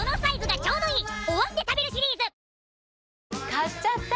買っちゃった！